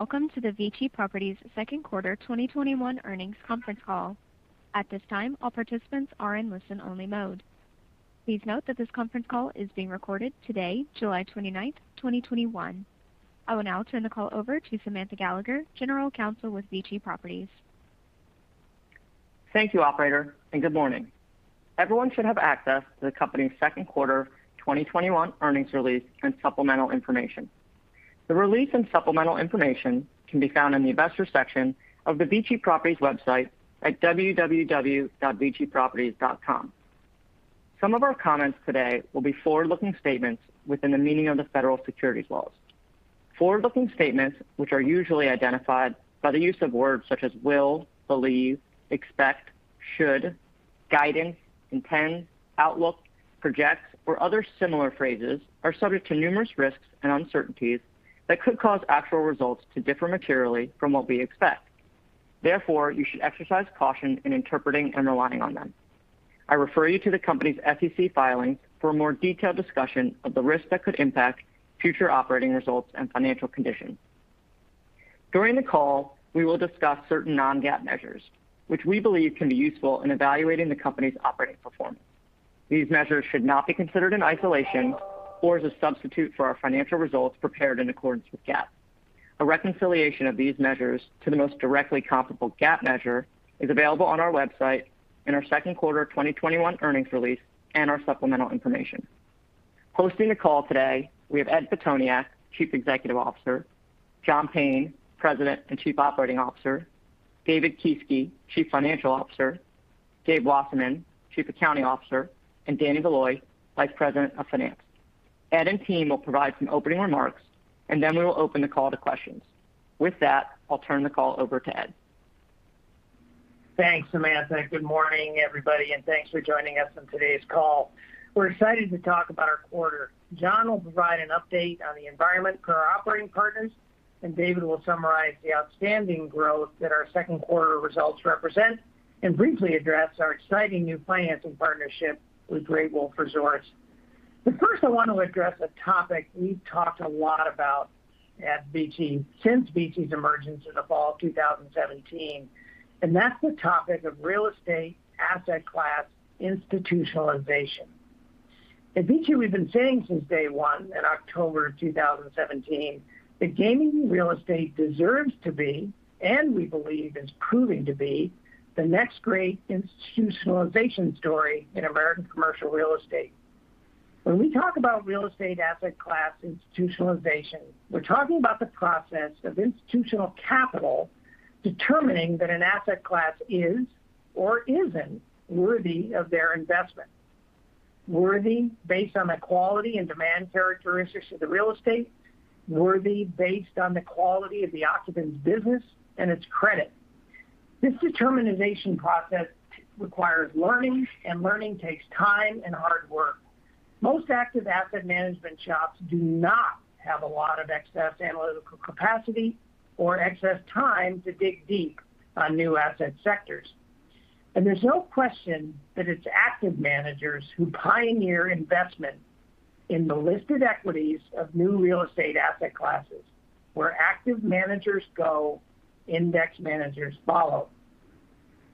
Welcome to the VICI Properties second quarter 2021 earnings conference call. At this time, all participants are in listen-only mode. Please note that this conference call is being recorded today, July 29th, 2021. I will now turn the call over to Samantha Gallagher, General Counsel with VICI Properties. Thank you, operator, and good morning. Everyone should have access to the company's second quarter 2021 earnings release and supplemental information. The release and supplemental information can be found in the investor section of the VICI Properties website at www.viciproperties.com. Some of our comments today will be forward-looking statements within the meaning of the federal securities laws. Forward-looking statements, which are usually identified by the use of words such as will, believe, expect, should, guidance, intend, outlook, project, or other similar phrases, are subject to numerous risks and uncertainties that could cause actual results to differ materially from what we expect. Therefore, you should exercise caution in interpreting and relying on them. I refer you to the company's SEC filings for a more detailed discussion of the risks that could impact future operating results and financial conditions. During the call, we will discuss certain non-GAAP measures, which we believe can be useful in evaluating the company's operating performance. These measures should not be considered in isolation or as a substitute for our financial results prepared in accordance with GAAP. A reconciliation of these measures to the most directly comparable GAAP measure is available on our website in our second quarter 2021 earnings release and our supplemental information. Hosting the call today, we have Ed Pitoniak, Chief Executive Officer, John Payne, President and Chief Operating Officer, David Kieske, Chief Financial Officer, Gabe Wasserman, Chief Accounting Officer, and Danny Valoy, Vice President of Finance. Ed and team will provide some opening remarks, and then we will open the call to questions. With that, I'll turn the call over to Ed. Thanks, Samantha. Good morning, everybody. Thanks for joining us on today's call. We're excited to talk about our quarter. John will provide an update on the environment for our operating partners, and David will summarize the outstanding growth that our second quarter results represent and briefly address our exciting new financing partnership with Great Wolf Resorts. First, I want to address a topic we've talked a lot about at VICI since VICI's emergence in the fall of 2017, and that's the topic of real estate asset class institutionalization. At VICI, we've been saying since day 1 in October of 2017 that gaming real estate deserves to be, and we believe is proving to be, the next great institutionalization story in American commercial real estate. When we talk about real estate asset class institutionalization, we're talking about the process of institutional capital determining that an asset class is or isn't worthy of their investment. Worthy based on the quality and demand characteristics of the real estate, worthy based on the quality of the occupant's business and its credit. This determination process requires learning, and learning takes time and hard work. Most active asset management shops do not have a lot of excess analytical capacity or excess time to dig deep on new asset sectors. There's no question that it's active managers who pioneer investment in the listed equities of new real estate asset classes. Where active managers go, index managers follow.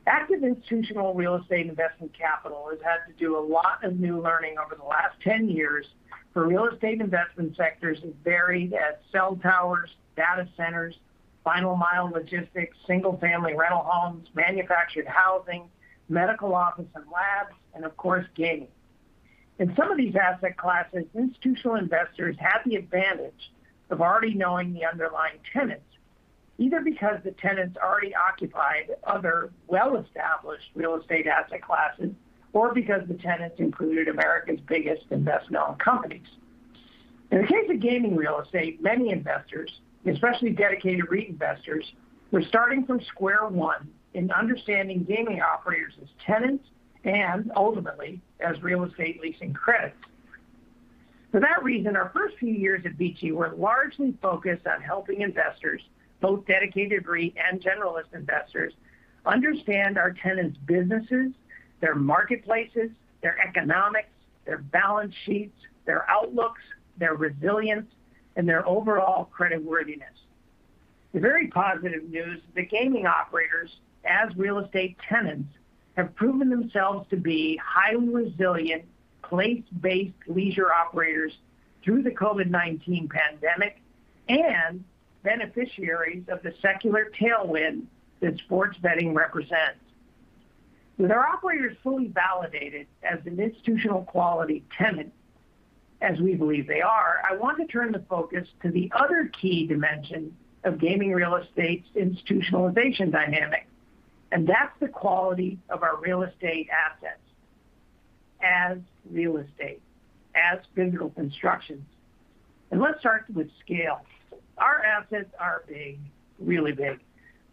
Active institutional real estate investment capital has had to do a lot of new learning over the last 10 years for real estate investment sectors as varied as cell towers, data centers, final mile logistics, single-family rental homes, manufactured housing, medical office and labs, and of course, gaming. In some of these asset classes, institutional investors have the advantage of already knowing the underlying tenants, either because the tenants already occupied other well-established real estate asset classes, or because the tenants included America's biggest and best-known companies. In the case of gaming real estate, many investors, especially dedicated REIT investors, were starting from square one in understanding gaming operators as tenants and ultimately as real estate leasing credits. For that reason, our first few years at VICI were largely focused on helping investors, both dedicated REIT and generalist investors, understand our tenants' businesses, their marketplaces, their economics, their balance sheets, their outlooks, their resilience, and their overall creditworthiness. The very positive news is that gaming operators as real estate tenants have proven themselves to be highly resilient, place-based leisure operators through the COVID-19 pandemic and beneficiaries of the secular tailwind that sports betting represents. With our operators fully validated as an institutional quality tenant as we believe they are, I want to turn the focus to the other key dimension of gaming real estate's institutionalization dynamic, and that's the quality of our real estate assets as real estate, as physical constructions. Let's start with scale. Our assets are big, really big.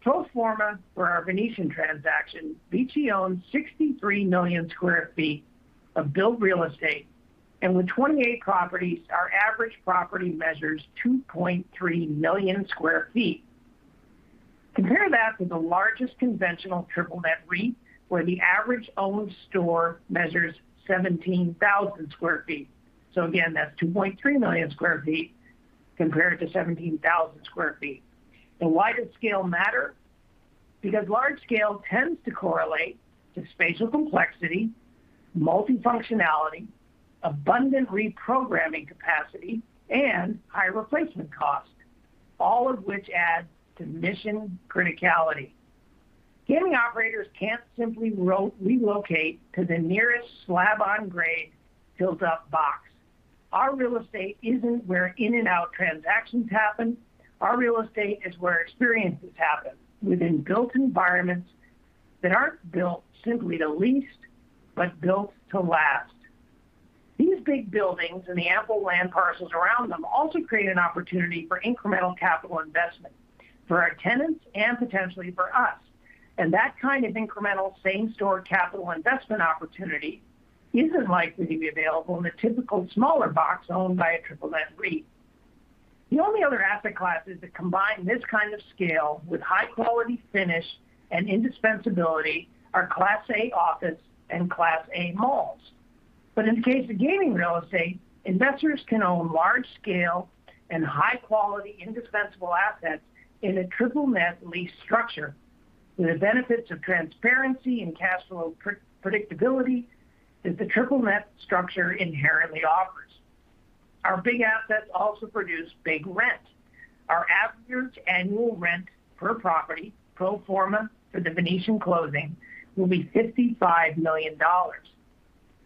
Pro forma for our Venetian transaction, VICI owns 63 million sq ft of built real estate. With 28 properties, our average property measures 2.3 million sq ft. Compare that to the largest conventional triple net REIT, where the average owned store measures 17,000 sq ft. Again, that's 2.3 million sq ft compared to 17,000 sq ft. Why does scale matter? Because large scale tends to correlate to spatial complexity, multifunctionality, abundant reprogramming capacity, and high replacement cost, all of which add to mission criticality. Gaming operators can't simply relocate to the nearest slab-on-grade built-up box. Our real estate isn't where in and out transactions happen. Our real estate is where experiences happen within built environments that aren't built simply to lease, but built to last. These big buildings and the ample land parcels around them also create an opportunity for incremental capital investment for our tenants and potentially for us. That kind of incremental same-store capital investment opportunity isn't likely to be available in the typical smaller box owned by a triple net REIT. The only other asset classes that combine this kind of scale with high quality finish and indispensability are Class A office and Class A malls. In the case of gaming real estate, investors can own large scale and high-quality indispensable assets in a triple net lease structure with the benefits of transparency and cash flow predictability that the triple net structure inherently offers. Our big assets also produce big rent. Our average annual rent per property, pro forma for The Venetian closing, will be $55 million.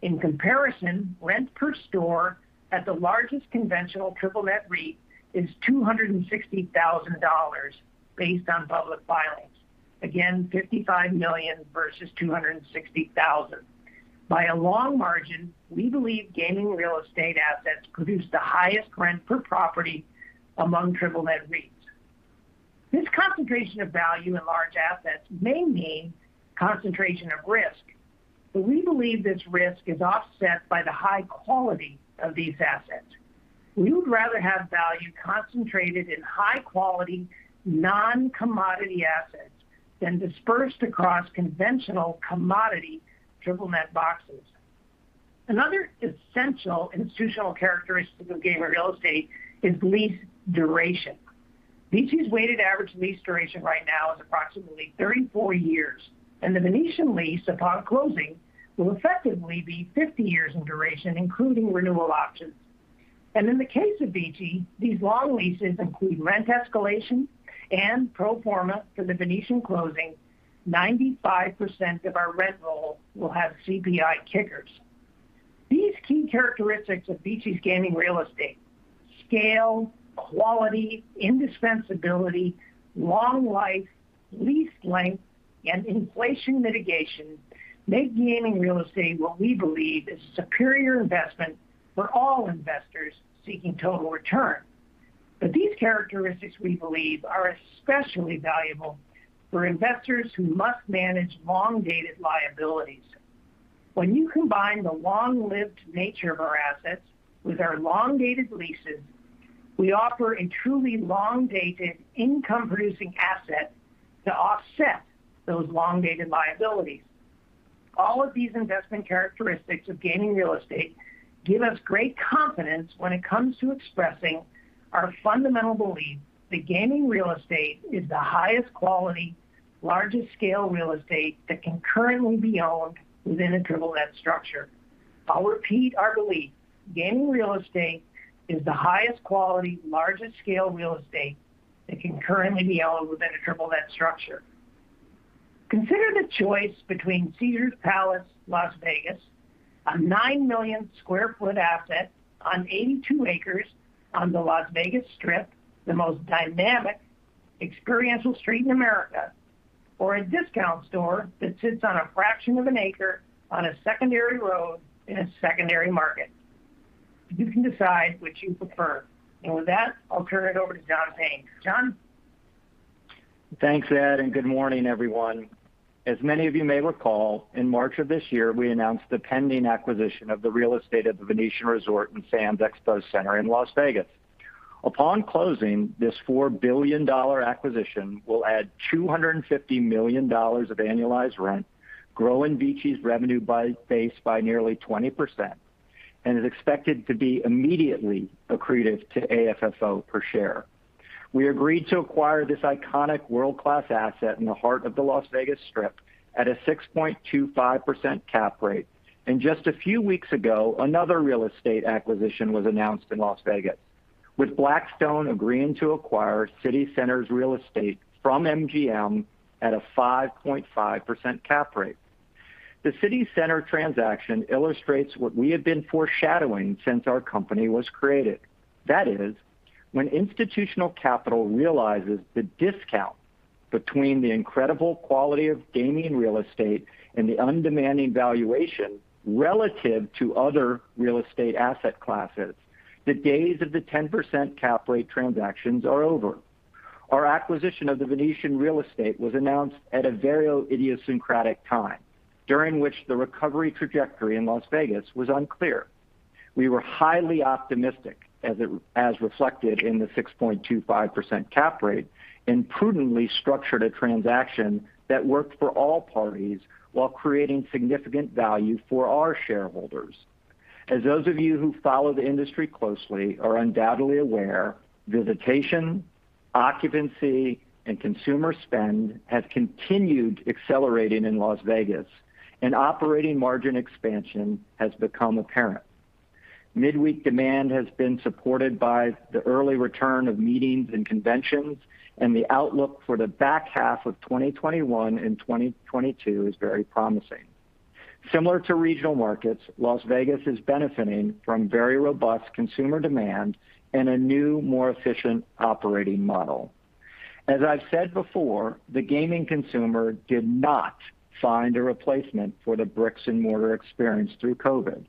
In comparison, rent per store at the largest conventional triple net REIT is $260,000 based on public filings. Again, $55 million versus $260,000. By a long margin, we believe gaming real estate assets produce the highest rent per property among triple net REITs. This concentration of value in large assets may mean concentration of risk, but we believe this risk is offset by the high quality of these assets. We would rather have value concentrated in high-quality, non-commodity assets than dispersed across conventional commodity triple net boxes. Another essential institutional characteristic of gaming real estate is lease duration. VICI's weighted average lease duration right now is approximately 34 years, and The Venetian lease, upon closing, will effectively be 50 years in duration, including renewal options. In the case of VICI, these long leases include rent escalation and pro forma for The Venetian closing, 95% of our rent roll will have CPI kickers. These key characteristics of VICI's gaming real estate, scale, quality, indispensability, long life, lease length, and inflation mitigation, make gaming real estate what we believe is a superior investment for all investors seeking total return. These characteristics, we believe, are especially valuable for investors who must manage long-dated liabilities. When you combine the long-lived nature of our assets with our long-dated leases, we offer a truly long-dated income-producing asset to offset those long-dated liabilities. All of these investment characteristics of gaming real estate give us great confidence when it comes to expressing our fundamental belief that gaming real estate is the highest quality, largest scale real estate that can currently be owned within a triple net structure. I'll repeat our belief. Gaming real estate is the highest quality, largest scale real estate that can currently be owned within a triple net structure. Consider the choice between Caesars Palace, Las Vegas, a 9 million sq ft asset on 82 acres on the Las Vegas Strip, the most dynamic experiential street in America, or a discount store that sits on a fraction of an acre on a secondary road in a secondary market. You can decide which you prefer. With that, I'll turn it over to John Payne. John? Thanks, Ed. Good morning, everyone. As many of you may recall, in March of this year, we announced the pending acquisition of the real estate of The Venetian Resort and Venetian Expo in Las Vegas. Upon closing, this $4 billion acquisition will add $250 million of annualized rent, growing VICI's revenue base by nearly 20%, and is expected to be immediately accretive to AFFO per share. We agreed to acquire this iconic world-class asset in the heart of the Las Vegas Strip at a 6.25% cap rate. Just a few weeks ago, another real estate acquisition was announced in Las Vegas, with Blackstone agreeing to acquire CityCenter's real estate from MGM at a 5.5% cap rate. The CityCenter transaction illustrates what we have been foreshadowing since our company was created. That is, when institutional capital realizes the discount between the incredible quality of gaming real estate and the undemanding valuation relative to other real estate asset classes, the days of the 10% cap rate transactions are over. Our acquisition of The Venetian real estate was announced at a very idiosyncratic time, during which the recovery trajectory in Las Vegas was unclear. We were highly optimistic as reflected in the 6.25% cap rate and prudently structured a transaction that worked for all parties while creating significant value for our shareholders. As those of you who follow the industry closely are undoubtedly aware, visitation, occupancy, and consumer spend have continued accelerating in Las Vegas and operating margin expansion has become apparent. Midweek demand has been supported by the early return of meetings and conventions, the outlook for the back half of 2021 and 2022 is very promising. Similar to regional markets, Las Vegas is benefiting from very robust consumer demand and a new, more efficient operating model. As I've said before, the gaming consumer did not find a replacement for the bricks-and-mortar experience through COVID,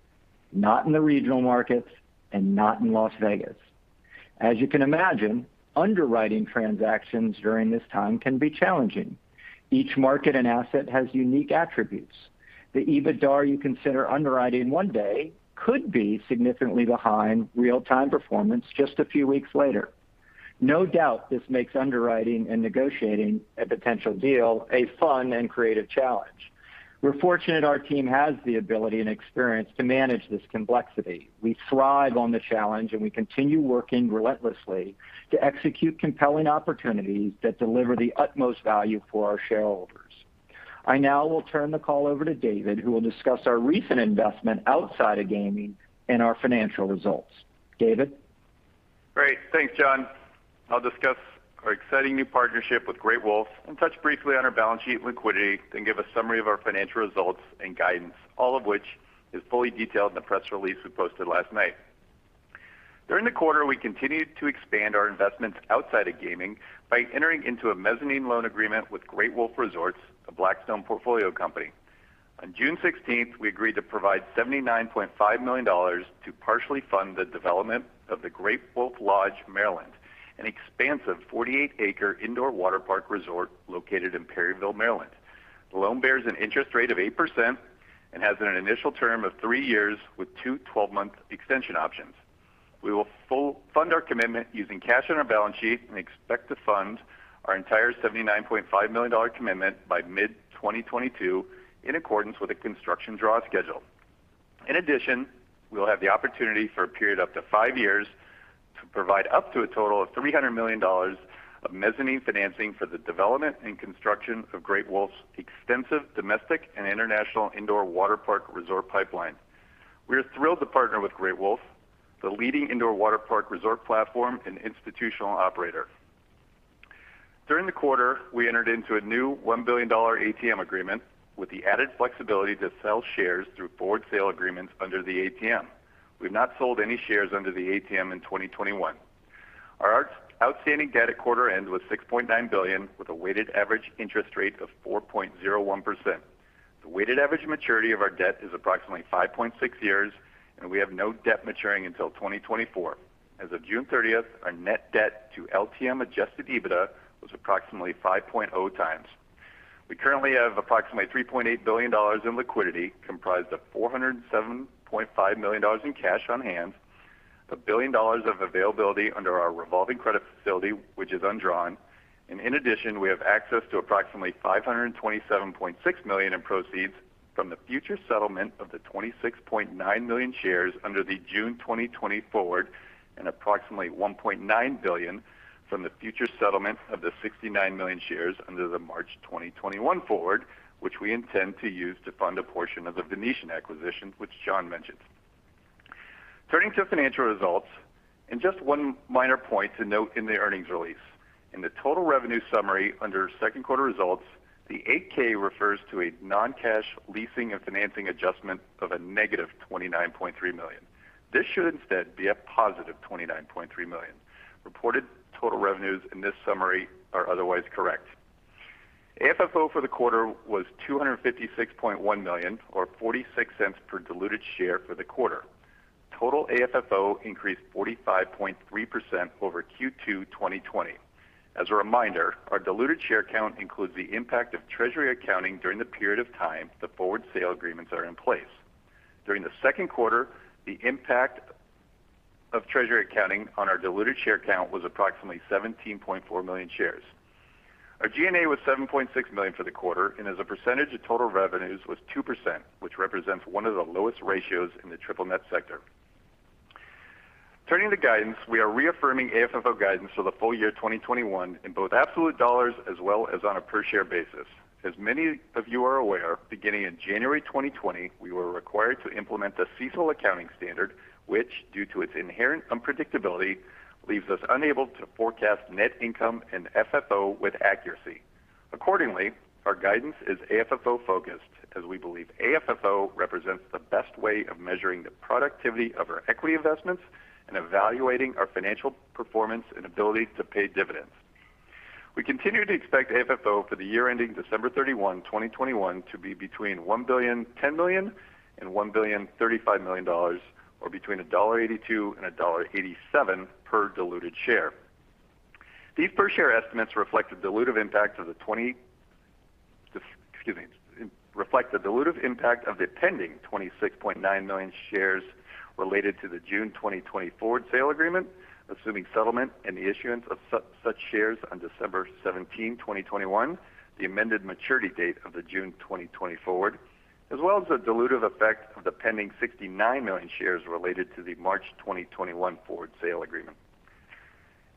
not in the regional markets and not in Las Vegas. As you can imagine, underwriting transactions during this time can be challenging. Each market and asset has unique attributes. The EBITDA you consider underwriting one day could be significantly behind real-time performance just a few weeks later. No doubt this makes underwriting and negotiating a potential deal a fun and creative challenge. We're fortunate our team has the ability and experience to manage this complexity. We thrive on the challenge, and we continue working relentlessly to execute compelling opportunities that deliver the utmost value for our shareholders. I now will turn the call over to David, who will discuss our recent investment outside of gaming and our financial results. David. Great. Thanks, John. I'll discuss our exciting new partnership with Great Wolf and touch briefly on our balance sheet liquidity, give a summary of our financial results and guidance, all of which is fully detailed in the press release we posted last night. During the quarter, we continued to expand our investments outside of gaming by entering into a mezzanine loan agreement with Great Wolf Resorts, a Blackstone portfolio company. On June 16th, we agreed to provide $79.5 million to partially fund the development of the Great Wolf Lodge, Maryland, an expansive 48-acre indoor water park resort located in Perryville, Maryland. The loan bears an interest rate of 8% and has an initial term of three years with two 12-month extension options. We will fund our commitment using cash on our balance sheet and expect to fund our entire $79.5 million commitment by mid-2022 in accordance with a construction draw schedule. In addition, we will have the opportunity for a period up to five years to provide up to a total of $300 million of mezzanine financing for the development and construction of Great Wolf Resorts' extensive domestic and international indoor water park resort pipeline. We are thrilled to partner with Great Wolf Resorts, the leading indoor water park resort platform and institutional operator. During the quarter, we entered into a new $1 billion ATM agreement with the added flexibility to sell shares through forward sale agreements under the ATM. We've not sold any shares under the ATM in 2021. Our outstanding debt at quarter end was $6.9 billion with a weighted average interest rate of 4.01%. The weighted average maturity of our debt is approximately 5.6 years, and we have no debt maturing until 2024. As of June 30th, our net debt to LTM adjusted EBITDA was approximately 5.0x. We currently have approximately $3.8 billion in liquidity, comprised of $407.5 million in cash on hand, $1 billion of availability under our revolving credit facility, which is undrawn, and in addition, we have access to approximately $527.6 million in proceeds from the future settlement of the 26.9 million shares under the June 2020 forward and approximately $1.9 billion from the future settlement of the 69 million shares under the March 2021 forward, which we intend to use to fund a portion of the Venetian acquisition, which John mentioned. Turning to financial results, just one minor point to note in the earnings release. In the total revenue summary under second quarter results, the 8-K refers to a non-cash leasing and financing adjustment of a -$29.3 million. This should instead be a +$29.3 million. Reported total revenues in this summary are otherwise correct. AFFO for the quarter was $256.1 million or $0.46 per diluted share for the quarter. Total AFFO increased 45.3% over Q2 2020. As a reminder, our diluted share count includes the impact of treasury accounting during the period of time the forward sale agreements are in place. During the second quarter, the impact of treasury accounting on our diluted share count was approximately 17.4 million shares. Our G&A was $7.6 million for the quarter and as a percentage of total revenues was 2%, which represents one of the lowest ratios in the triple net sector. Turning to guidance, we are reaffirming AFFO guidance for the full year 2021 in both absolute dollars as well as on a per-share basis. As many of you are aware, beginning in January 2020, we were required to implement the CECL accounting standard, which, due to its inherent unpredictability, leaves us unable to forecast net income and FFO with accuracy. Accordingly, our guidance is AFFO focused as we believe AFFO represents the best way of measuring the productivity of our equity investments and evaluating our financial performance and ability to pay dividends. We continue to expect AFFO for the year ending December 31, 2021, to be between $1,010 million and $1,035 million, or between $1.82 and $1.87 per diluted share. These per share estimates reflect the dilutive impact of the 20. Excuse me. Reflect the dilutive impact of the pending 26.9 million shares related to the June 2020 forward sale agreement, assuming settlement and the issuance of such shares on December 17, 2021, the amended maturity date of the June 2020 forward, as well as the dilutive effect of the pending 69 million shares related to the March 2021 forward sale agreement.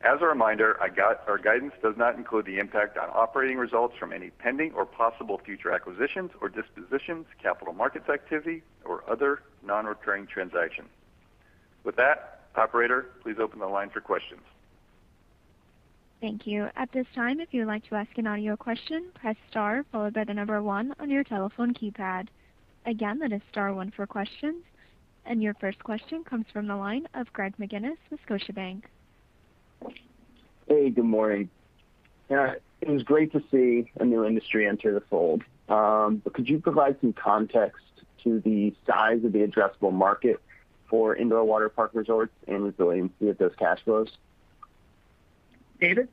As a reminder, our guidance does not include the impact on operating results from any pending or possible future acquisitions or dispositions, capital markets activity, or other non-recurring transactions. With that, operator, please open the line for questions. Thank you. At this time, if you would like to ask an audio question, press star followed by the number one on your telephone keypad. Again, that is star one for questions. Your first question comes from the line of Greg McGinnis, Scotiabank. Hey, good morning. It was great to see a new industry enter the fold. Could you provide some context to the size of the addressable market for indoor waterpark resorts and the resiliency of those cash flows? David?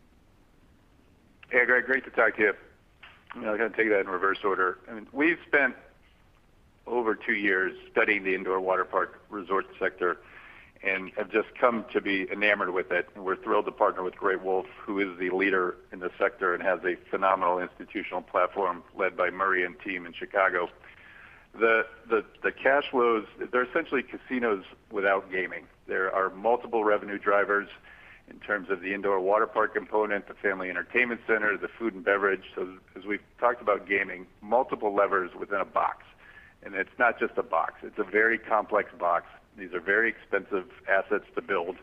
Hey, Greg, great to talk to you. I'm going to take that in reverse order. We've spent over two years studying the indoor waterpark resort sector and have just come to be enamored with it, and we're thrilled to partner with Great Wolf, who is the leader in the sector and has a phenomenal institutional platform led by Murray and team in Chicago. The cash flows, they're essentially casinos without gaming. There are multiple revenue drivers in terms of the indoor waterpark component, the family entertainment center, the food and beverage. As we've talked about gaming, multiple levers within a box, and it's not just a box. It's a very complex box. These are very expensive assets to build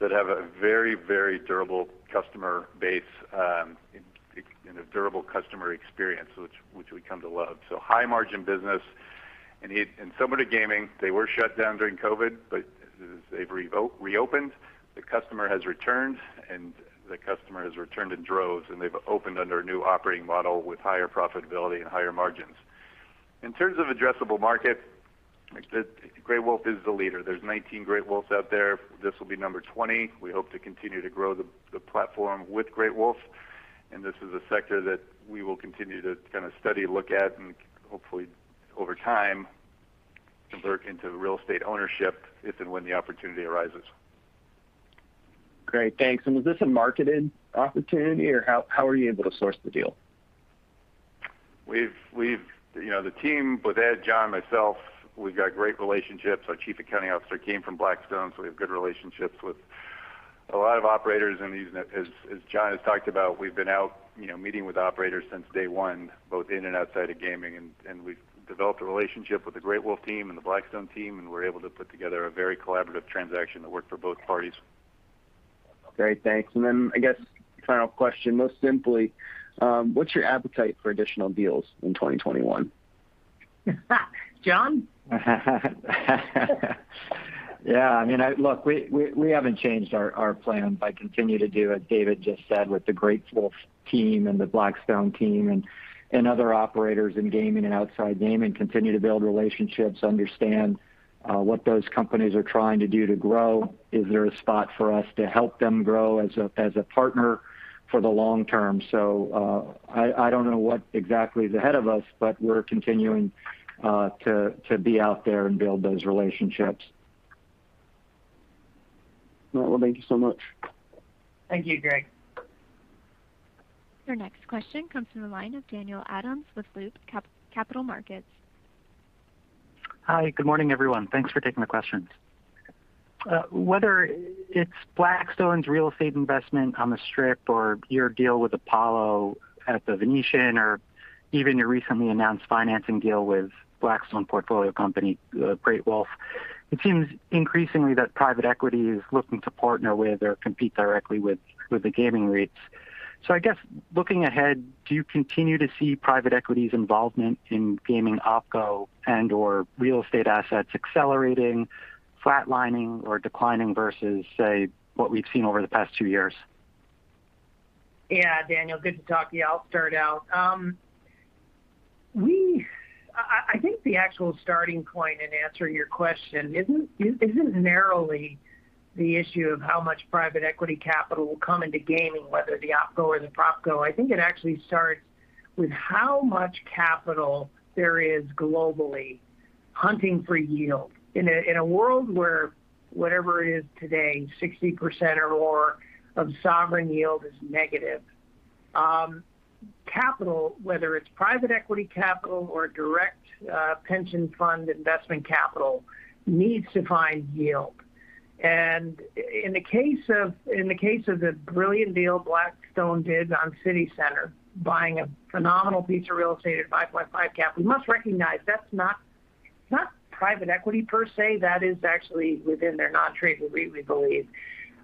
that have a very, very durable customer base and a durable customer experience, which we come to love. High margin business, and similar to gaming, they were shut down during COVID, but they've reopened. The customer has returned, and the customer has returned in droves, and they've opened under a new operating model with higher profitability and higher margins. In terms of addressable market, Great Wolf is the leader. There's 19 Great Wolfs out there. This will be number 20. We hope to continue to grow the platform with Great Wolf, and this is a sector that we will continue to kind of study, look at, and hopefully over time, convert into real estate ownership if and when the opportunity arises. Great. Thanks. Was this a marketed opportunity, or how were you able to source the deal? The team with Ed, John, myself, we've got great relationships. Our Chief Accounting Officer came from Blackstone, so we have good relationships with a lot of operators in these. As John has talked about, we've been out meeting with operators since day one, both in and outside of gaming, and we've developed a relationship with the Great Wolf team and the Blackstone team, and we were able to put together a very collaborative transaction that worked for both parties. Great. Thanks. Then I guess final question, most simply, what's your appetite for additional deals in 2021? John? Look, we haven't changed our plan by continuing to do what David just said with the Great Wolf team and the Blackstone team and other operators in gaming and outside gaming, continue to build relationships, understand what those companies are trying to do to grow. Is there a spot for us to help them grow as a partner for the long term? I don't know what exactly is ahead of us, but we're continuing to be out there and build those relationships. Well, thank you so much. Thank you, Greg. Your next question comes from the line of Daniel Adams with Loop Capital Markets. Hi, good morning, everyone. Thanks for taking the questions. Whether it's Blackstone's real estate investment on the Strip or your deal with Apollo at the Venetian, or even your recently announced financing deal with Blackstone portfolio company, Great Wolf, it seems increasingly that private equity is looking to partner with or compete directly with the gaming REITs. I guess looking ahead, do you continue to see private equity's involvement in gaming OpCo and/or real estate assets accelerating, flatlining, or declining versus, say, what we've seen over the past two years? Yeah. Daniel, good to talk to you. I'll start out. I think the actual starting point in answering your question isn't narrowly the issue of how much private equity capital will come into gaming, whether the OpCo or the PropCo. I think it actually starts with how much capital there is globally hunting for yield. In a world where whatever it is today, 60% or more of sovereign yield is negative. Capital, whether it's private equity capital or direct pension fund investment capital, needs to find yield. In the case of the brilliant deal Blackstone did on CityCenter, buying a phenomenal piece of real estate at 5.5 cap, we must recognize that's not private equity per se. That is actually within their non-tradable REIT, we believe.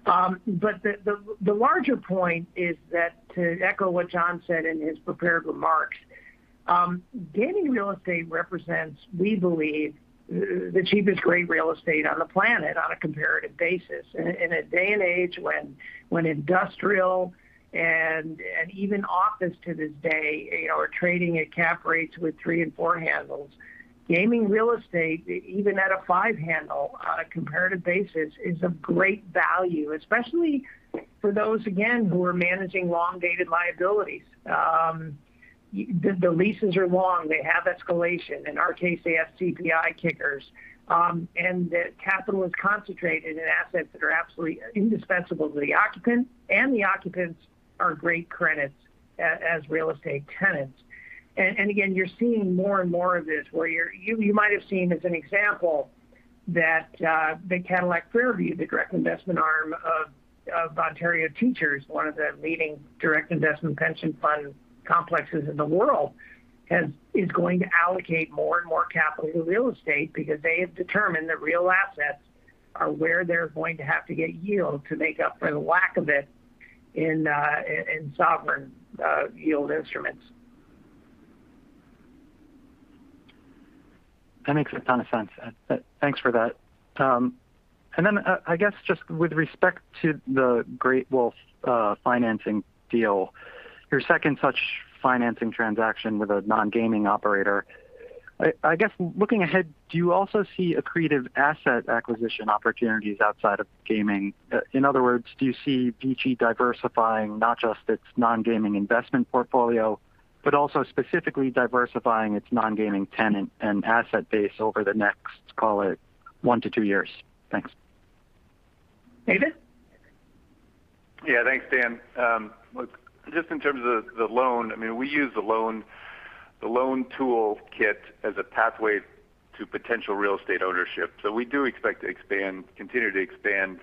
The larger point is that, to echo what John said in his prepared remarks, gaming real estate represents, we believe, the cheapest grade real estate on the planet on a comparative basis. In a day and age when industrial and even office to this day are trading at cap rates with three and four handles. Gaming real estate, even at a five handle on a comparative basis, is of great value, especially for those, again, who are managing long-dated liabilities. The leases are long, they have escalation. In our case, they have CPI kickers. The capital is concentrated in assets that are absolutely indispensable to the occupant, and the occupants are great credits as real estate tenants. Again, you're seeing more and more of this where you might have seen as an example that the Cadillac Fairview, the direct investment arm of Ontario Teachers' one of the leading direct investment pension fund complexes in the world, is going to allocate more and more capital to real estate because they have determined that real assets are where they're going to have to get yield to make up for the lack of it in sovereign yield instruments. That makes a ton of sense. Thanks for that. I guess just with respect to the Great Wolf financing deal, your second such financing transaction with a non-gaming operator, I guess looking ahead, do you also see accretive asset acquisition opportunities outside of gaming? In other words, do you see VICI diversifying not just its non-gaming investment portfolio, but also specifically diversifying its non-gaming tenant and asset base over the next, let's call it one to two years? Thanks. David? Yeah, thanks, Dan. Just in terms of the loan, we use the loan toolkit as a pathway to potential real estate ownership. We do expect to continue to expand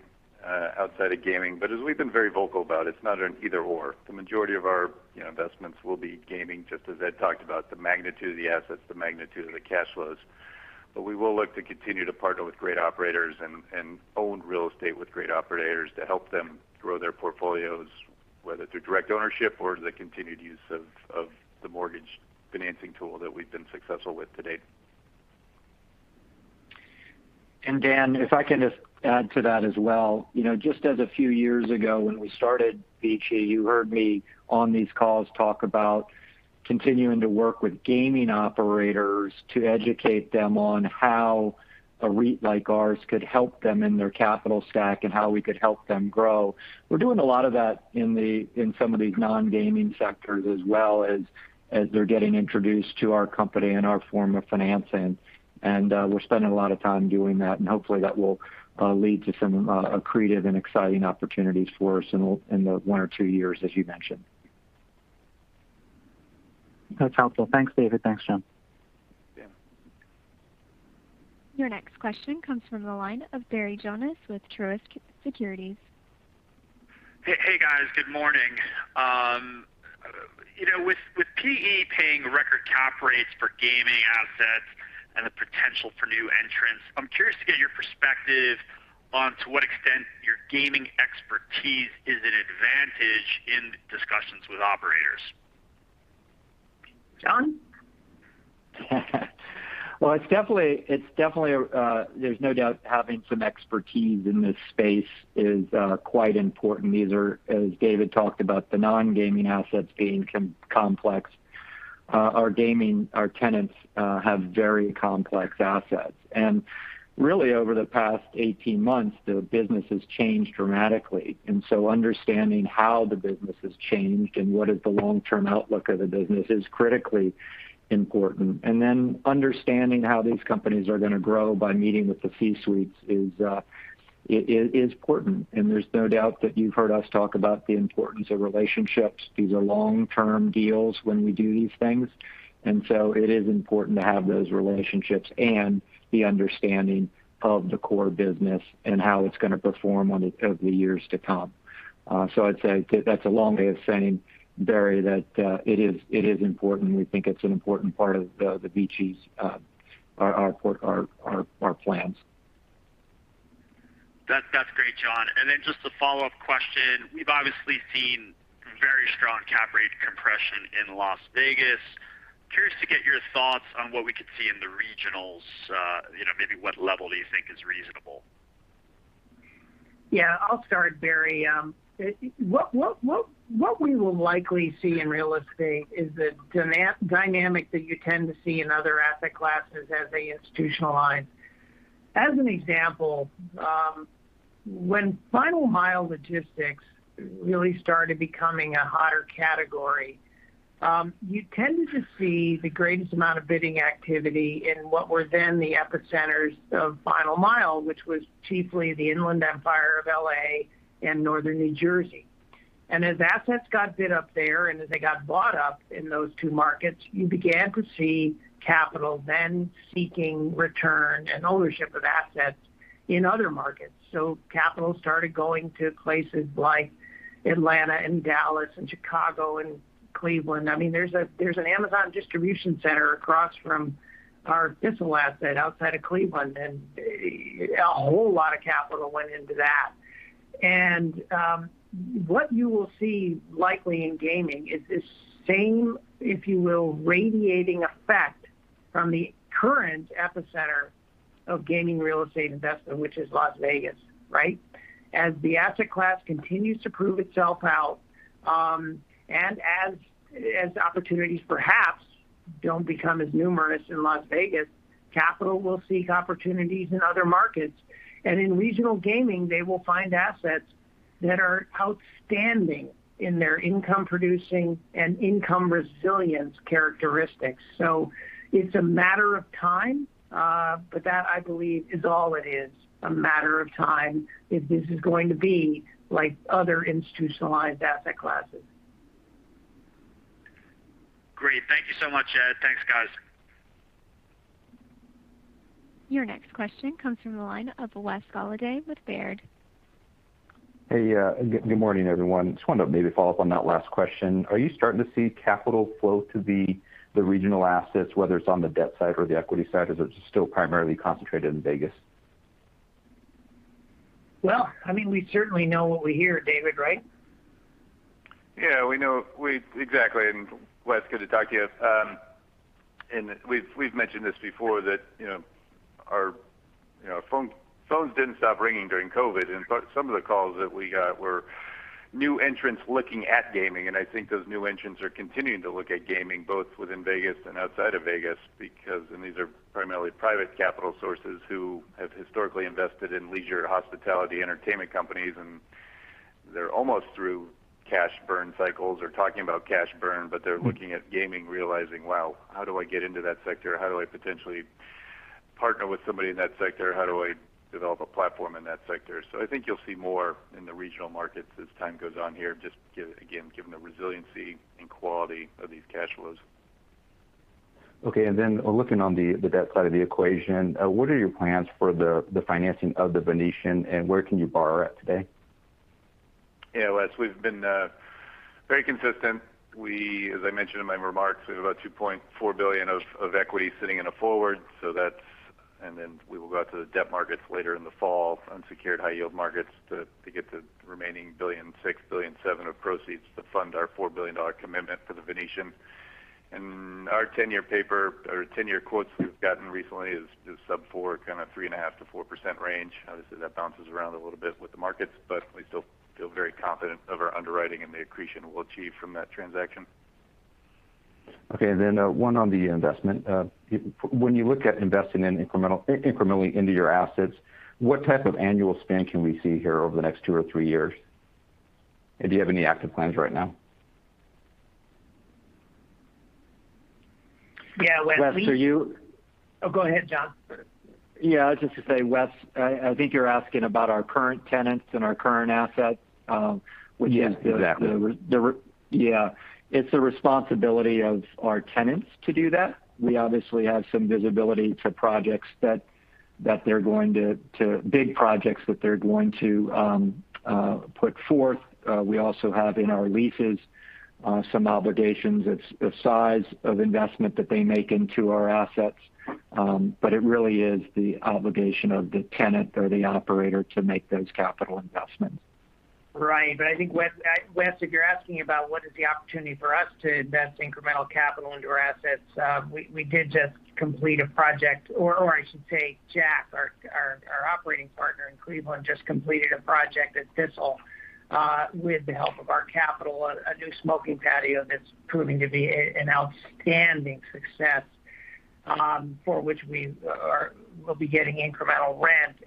outside of gaming. As we've been very vocal about, it's not an either/or. The majority of our investments will be gaming, just as Ed talked about, the magnitude of the assets, the magnitude of the cash flows. We will look to continue to partner with great operators and own real estate with great operators to help them grow their portfolios, whether through direct ownership or the continued use of the mortgage financing tool that we've been successful with to date. Dan, if I can just add to that as well. Just as a few years ago when we started VICI, you heard me on these calls talk about continuing to work with gaming operators to educate them on how a REIT like ours could help them in their capital stack and how we could help them grow. We're doing a lot of that in some of these non-gaming sectors as well as they're getting introduced to our company and our form of financing. We're spending a lot of time doing that, and hopefully that will lead to some accretive and exciting opportunities for us in the one or two years as you mentioned. That's helpful. Thanks, David. Thanks, John. Yeah. Your next question comes from the line of Barry Jonas with Truist Securities. Hey, guys. Good morning. With PE paying record cap rates for gaming assets and the potential for new entrants, I'm curious to get your perspective on to what extent your gaming expertise is an advantage in discussions with operators. John? It's definitely there's no doubt having some expertise in this space is quite important. These are, as David talked about, the non-gaming assets being complex. Our gaming, our tenants have very complex assets. Really over the past 18 months, the business has changed dramatically. Understanding how the business has changed and what is the long-term outlook of the business is critically important. Understanding how these companies are going to grow by meeting with the C-suites is important, and there's no doubt that you've heard us talk about the importance of relationships. These are long-term deals when we do these things. It is important to have those relationships and the understanding of the core business and how it's going to perform over the years to come. I'd say that's a long way of saying, Barry, that it is important, and we think it's an important part of VICI's plans. That's great, John. Just a follow-up question. We've obviously seen very strong cap rate compression in Las Vegas. Curious to get your thoughts on what we could see in the regionals. Maybe what level do you think is reasonable? Yeah, I'll start, Barry. What we will likely see in real estate is the dynamic that you tend to see in other asset classes as they institutionalize. As an example, when final mile logistics really started becoming a hotter category, you tended to see the greatest amount of bidding activity in what were then the epicenters of final mile, which was chiefly the Inland Empire of L.A. and Northern New Jersey. As assets got bid up there, and as they got bought up in those two markets, you began to see capital then seeking return and ownership of assets in other markets. Capital started going to places like Atlanta and Dallas and Chicago and Cleveland. There's an Amazon distribution center across from our Thistle asset outside of Cleveland, and a whole lot of capital went into that. What you will see likely in gaming is this same, if you will, radiating effect from the current epicenter of gaming real estate investment, which is Las Vegas, right. As the asset class continues to prove itself out, and as opportunities perhaps don't become as numerous in Las Vegas, capital will seek opportunities in other markets. In regional gaming, they will find assets that are outstanding in their income producing and income resilience characteristics. It's a matter of time, but that, I believe is all it is, a matter of time, if this is going to be like other institutionalized asset classes. Great. Thank you so much, Ed. Thanks, guys. Your next question comes from the line of Wes Golladay with Baird. Hey, good morning, everyone. Just wanted to maybe follow up on that last question. Are you starting to see capital flow to the regional assets, whether it's on the debt side or the equity side, or is it still primarily concentrated in Vegas? Well, we certainly know what we hear, David, right? We know. Exactly. Wes, good to talk to you. We've mentioned this before, that our phones didn't stop ringing during COVID, and some of the calls that we got were new entrants looking at gaming. I think those new entrants are continuing to look at gaming, both within Vegas and outside of Vegas. These are primarily private capital sources who have historically invested in leisure, hospitality, entertainment companies, and they're almost through cash burn cycles or talking about cash burn, but they're looking at gaming realizing, "Wow, how do I get into that sector? How do I potentially partner with somebody in that sector? How do I develop a platform in that sector?" I think you'll see more in the regional markets as time goes on here, just again, given the resiliency and quality of these cash flows. Okay. Looking on the debt side of the equation, what are your plans for the financing of The Venetian, and where can you borrow at today? Yeah, Wes, we've been very consistent. As I mentioned in my remarks, we have about $2.4 billion of equity sitting in a forward. Then we will go out to the debt markets later in the fall, unsecured high-yield markets to get the remaining $1.6 billion, $1.7 billion of proceeds to fund our $4 billion commitment for The Venetian. Our 10-year paper or 10-year quotes we've gotten recently is sub 4, kind of 3.5%-4% range. Obviously, that bounces around a little bit with the markets, we still feel very confident of our underwriting and the accretion we'll achieve from that transaction. Okay. One on the investment. When you look at investing incrementally into your assets, what type of annual spend can we see here over the next two or three years? Do you have any active plans right now? Yeah, Wes. Oh, go ahead, John. Yeah, just to say, Wes, I think you're asking about our current tenants and our current assets, which is the. Yes, exactly. Yeah. It's the responsibility of our tenants to do that. We obviously have some visibility to big projects that they're going to put forth. We also have in our leases some obligations of size of investment that they make into our assets. It really is the obligation of the tenant or the operator to make those capital investments. Right. I think, Wes, if you're asking about what is the opportunity for us to invest incremental capital into our assets, we did just complete a project, or I should say JACK, our operating partner in Cleveland, just completed a project at Thistle, with the help of our capital, a new smoking patio that's proving to be an outstanding success, for which we'll be getting incremental rent.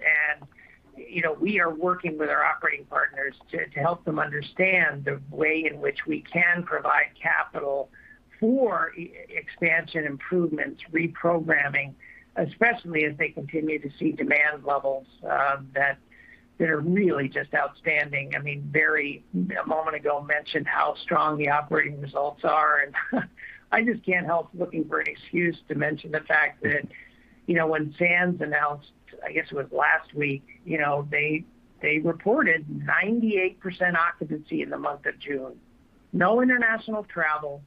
We are working with our operating partners to help them understand the way in which we can provide capital for expansion improvements, reprogramming, especially as they continue to see demand levels that are really just outstanding. Barry, a moment ago, mentioned how strong the operating results are, and I just can't help looking for an excuse to mention the fact that when Sands announced, I guess it was last week, they reported 98% occupancy in the month of June. No international travel,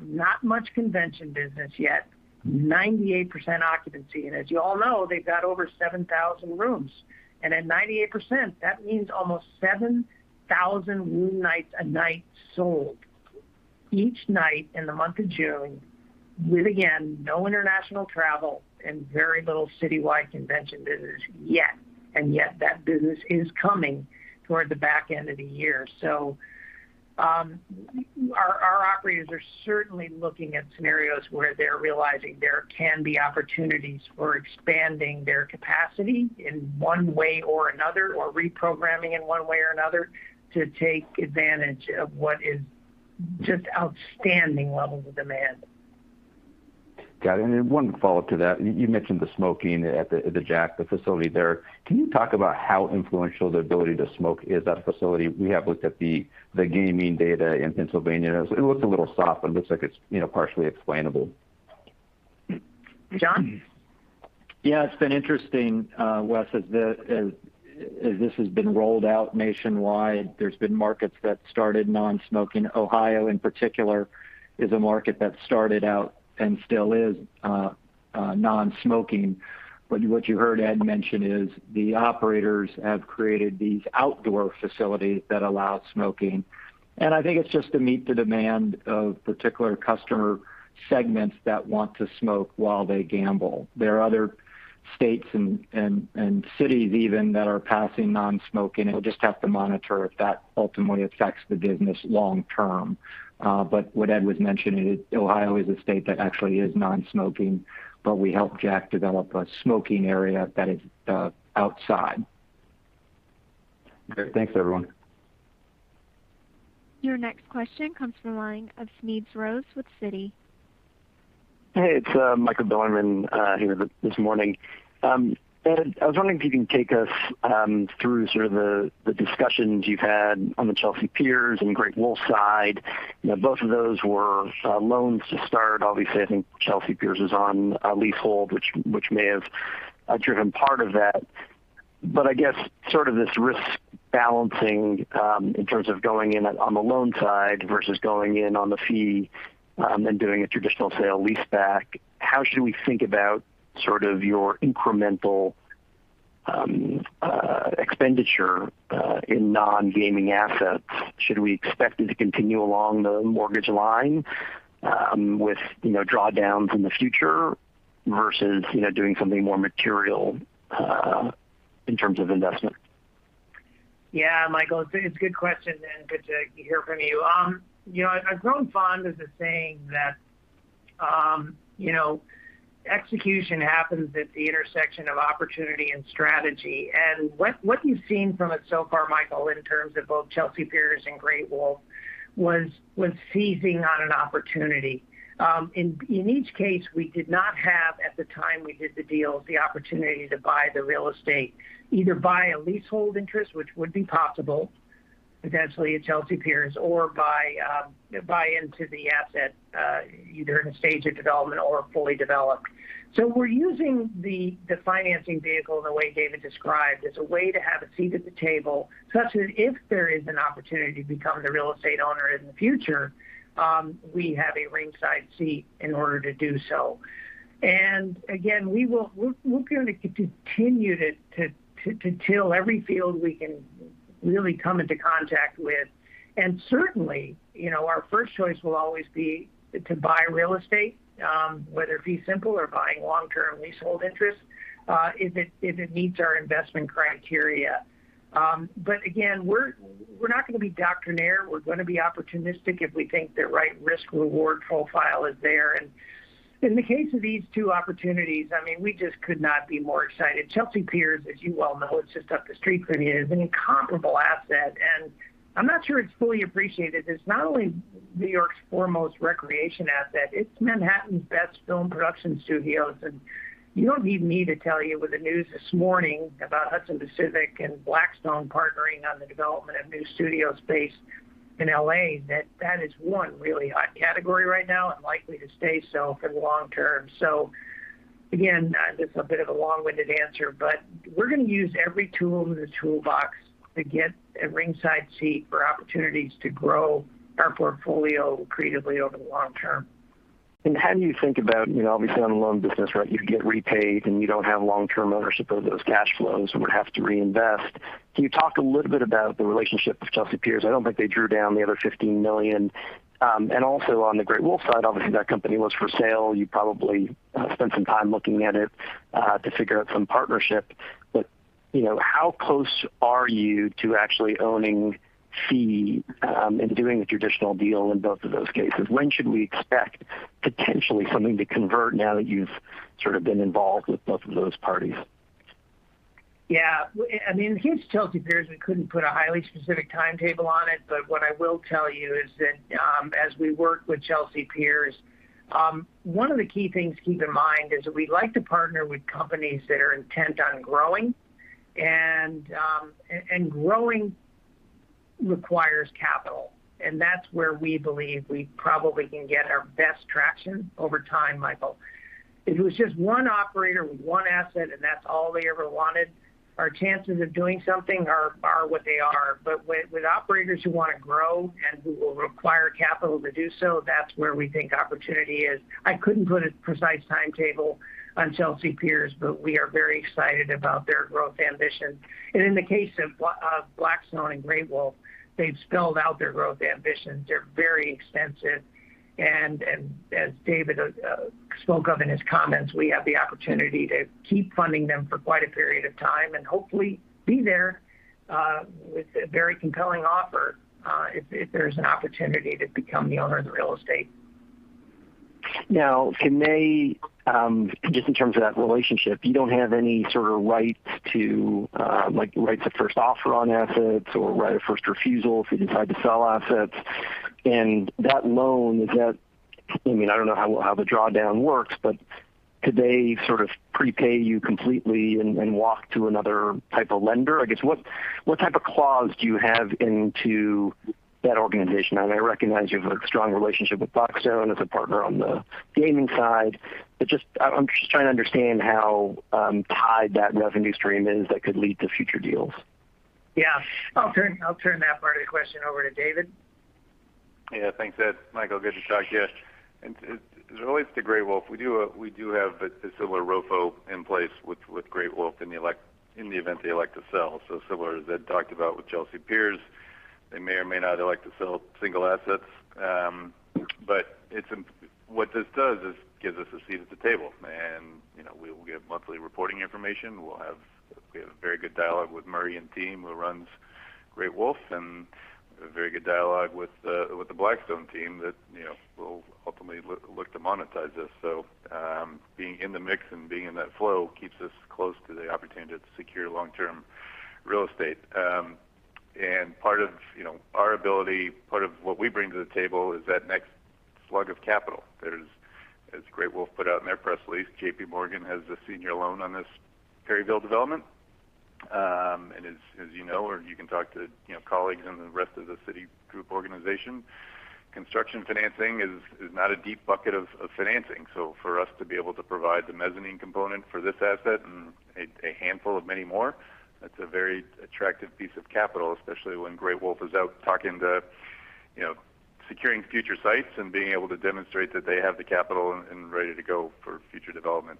not much convention business yet, 98% occupancy. As you all know, they've got over 7,000 rooms. At 98%, that means almost 7,000 room nights a night sold. Each night in the month of June, with again, no international travel and very little citywide convention business yet. Yet that business is coming toward the back end of the year. Our operators are certainly looking at scenarios where they're realizing there can be opportunities for expanding their capacity in one way or another, or reprogramming in one way or another to take advantage of what is just outstanding levels of demand. Got it. One follow-up to that. You mentioned the smoking at the JACK, the facility there. Can you talk about how influential the ability to smoke is at a facility? We have looked at the gaming data in Pennsylvania. It looks a little soft, but it looks like it's partially explainable. John? Yeah, it's been interesting, Wes. As this has been rolled out nationwide, there's been markets that started non-smoking. Ohio, in particular, is a market that started out and still is non-smoking. What you heard Ed mention is the operators have created these outdoor facilities that allow smoking. I think it's just to meet the demand of particular customer segments that want to smoke while they gamble. There are other states and cities even that are passing non-smoking. We'll just have to monitor if that ultimately affects the business long term. What Ed was mentioning is Ohio is a state that actually is non-smoking, but we helped JACK develop a smoking area that is outside. Okay. Thanks, everyone. Your next question comes from the line of Smedes Rose with Citi. Hey, it's Michael Bilerman here this morning. Ed, I was wondering if you can take us through sort of the discussions you've had on the Chelsea Piers and Great Wolf side. Both of those were loans to start. Obviously, I think Chelsea Piers is on a leasehold, which may have driven part of that. I guess sort of this risk balancing in terms of going in on the loan side versus going in on the fee then doing a traditional sale-leaseback. How should we think about sort of your incremental expenditure in non-gaming assets? Should we expect it to continue along the mortgage line with drawdowns in the future versus doing something more material in terms of investment? Yeah, Michael, it's a good question and good to hear from you. I've grown fond of the saying that execution happens at the intersection of opportunity and strategy. What you've seen from it so far, Michael, in terms of both Chelsea Piers and Great Wolf, was seizing on an opportunity. In each case, we did not have, at the time we did the deal, the opportunity to buy the real estate, either by a leasehold interest, which would be possible, potentially at Chelsea Piers, or buy into the asset either in a stage of development or fully developed. We're using the financing vehicle in the way David described as a way to have a seat at the table such that if there is an opportunity to become the real estate owner in the future, we have a ringside seat in order to do so. Again, we're going to continue to till every field we can really come into contact with. Certainly, our first choice will always be to buy real estate, whether fee simple or buying long-term leasehold interest, if it meets our investment criteria. Again, we're not going to be doctrinaire. We're going to be opportunistic if we think the right risk-reward profile is there. In the case of these two opportunities, I mean, we just could not be more excited. Chelsea Piers, as you well know, it's just up the street from you, is an incomparable asset, and I'm not sure it's fully appreciated. It's not only New York's foremost recreation asset, it's Manhattan's best film production studios. You don't need me to tell you with the news this morning about Hudson Pacific and Blackstone partnering on the development of new studio space in L.A., that that is one really hot category right now and likely to stay so for the long term. Again, it's a bit of a long-winded answer, but we're going to use every tool in the toolbox to get a ringside seat for opportunities to grow our portfolio creatively over the long term. How do you think about, obviously on the loan business, right, you get repaid and you don't have long-term ownership of those cash flows and would have to reinvest. Can you talk a little bit about the relationship with Chelsea Piers? I don't think they drew down the other $15 million. Also on the Great Wolf side, obviously that company was for sale. You probably spent some time looking at it to figure out some partnership. How close are you to actually owning fee and doing a traditional deal in both of those cases? When should we expect potentially something to convert now that you've sort of been involved with both of those parties? Yeah. I mean, in the case of Chelsea Piers, we couldn't put a highly specific timetable on it. What I will tell you is that as we work with Chelsea Piers, one of the key things to keep in mind is that we like to partner with companies that are intent on growing, and growing requires capital. That's where we believe we probably can get our best traction over time, Michael. If it was just one operator with one asset and that's all they ever wanted, our chances of doing something are what they are. With operators who want to grow and who will require capital to do so, that's where we think opportunity is. I couldn't put a precise timetable on Chelsea Piers, but we are very excited about their growth ambitions. In the case of Blackstone and Great Wolf, they've spelled out their growth ambitions. They're very extensive, and as David spoke of in his comments, we have the opportunity to keep funding them for quite a period of time and hopefully be there with a very compelling offer if there's an opportunity to become the owner of the real estate. Just in terms of that relationship, you don't have any sort of rights to first offer on assets or right of first refusal if you decide to sell assets? That loan, I don't know how the drawdown works, but could they sort of prepay you completely and walk to another type of lender? I guess, what type of clause do you have into that organization? I recognize you have a strong relationship with Blackstone as a partner on the gaming side, I'm just trying to understand how tied that revenue stream is that could lead to future deals. Yeah. I will turn that part of the question over to David. Thanks, Ed. Michael, good to talk to you. In relation to Great Wolf, we do have a similar ROFO in place with Great Wolf in the event they elect to sell. Similar as Ed talked about with Chelsea Piers, they may or may not elect to sell single assets. What this does is gives us a seat at the table, and we will get monthly reporting information. We have a very good dialogue with Murray and team, who runs Great Wolf, and a very good dialogue with the Blackstone team that will ultimately look to monetize this. Being in the mix and being in that flow keeps us close to the opportunity to secure long-term real estate. Part of our ability, part of what we bring to the table is that next slug of capital. As Great Wolf put out in their press release, JPMorgan has a senior loan on this Perryville development. As you know, or you can talk to colleagues in the rest of the Citigroup organization, construction financing is not a deep bucket of financing. For us to be able to provide the mezzanine component for this asset and a handful of many more, that's a very attractive piece of capital, especially when Great Wolf is out securing future sites and being able to demonstrate that they have the capital and ready to go for future development.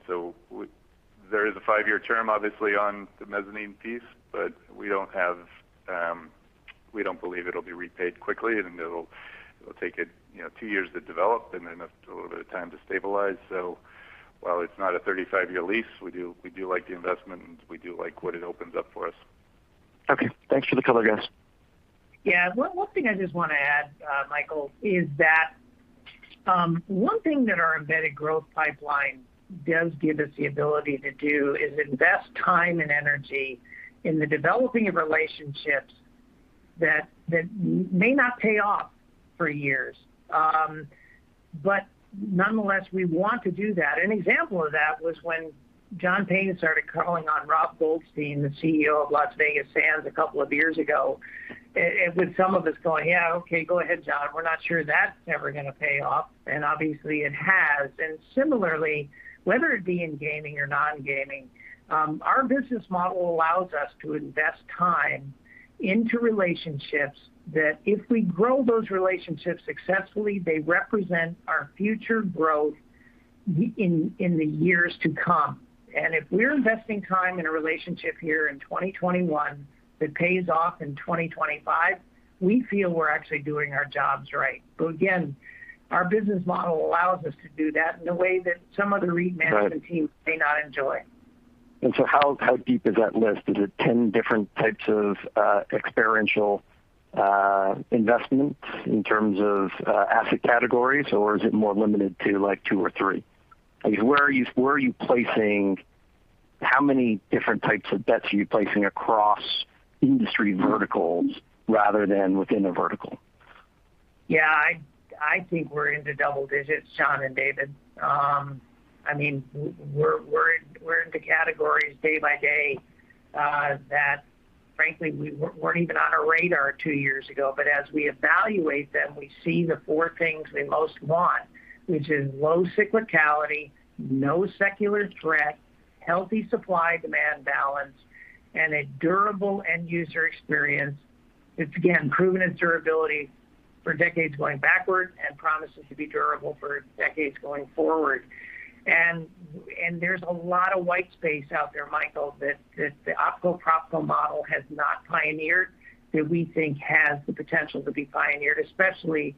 There is a five-year term, obviously, on the mezzanine piece. We don't believe it'll be repaid quickly, and it'll take it two years to develop and then a little bit of time to stabilize. While it's not a 35-year lease, we do like the investment, and we do like what it opens up for us. Okay. Thanks for the color, guys. Yeah. One thing I just want to add, Michael, is that one thing that our embedded growth pipeline does give us the ability to do is invest time and energy in the developing of relationships that may not pay off for years. Nonetheless, we want to do that. An example of that was when John Payne started calling on Robert Goldstein, the CEO of Las Vegas Sands, a couple of years ago. With some of us going, "Yeah, okay. Go ahead, John. We're not sure that's ever going to pay off." Obviously, it has. Similarly, whether it be in gaming or non-gaming, our business model allows us to invest time into relationships that if we grow those relationships successfully, they represent our future growth in the years to come. If we're investing time in a relationship here in 2021 that pays off in 2025, we feel we're actually doing our jobs right. Again, our business model allows us to do that in a way that some other REIT management teams may not enjoy. How deep is that list? Is it 10 different types of experiential investments in terms of asset categories, or is it more limited to two or three? I guess, how many different types of bets are you placing across industry verticals rather than within a vertical? Yeah. I think we're into double digits, John and David. We're into categories day by day that frankly weren't even on our radar two years ago. As we evaluate them, we see the four things we most want, which is low cyclicality, no secular threat, healthy supply-demand balance, and a durable end user experience that's, again, proven its durability for decades going backward and promises to be durable for decades going forward. There's a lot of white space out there, Michael, that the opco-propco model has not pioneered that we think has the potential to be pioneered, especially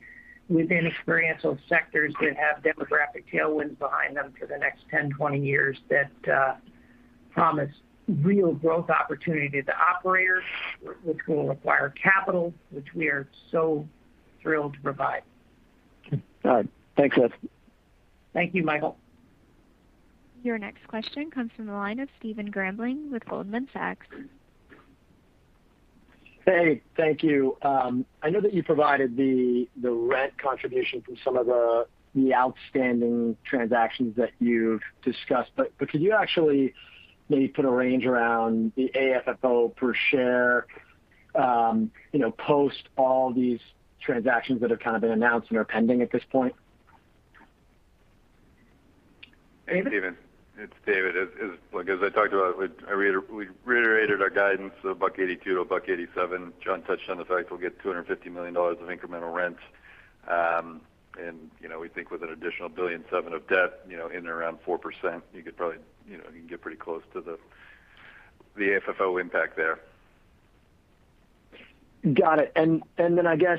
within experiential sectors that have demographic tailwinds behind them for the next 10, 20 years that promise real growth opportunity to operators, which will require capital, which we are so thrilled to provide. All right. Thanks, Ed. Thank you, Michael. Your next question comes from the line of Stephen Grambling with Goldman Sachs. Hey, thank you. I know that you provided the rent contribution from some of the outstanding transactions that you've discussed, but could you actually maybe put a range around the AFFO per share post all these transactions that have kind of been announced and are pending at this point? David? Hey, Stephen. It's David. As, look, as I talked about, we reiterated our guidance of $1.82-$1.87. John touched on the fact we'll get $250 million of incremental rent. We think with an additional $1.7 billion of debt in around 4%, you could probably get pretty close to the AFFO impact there. Got it. I guess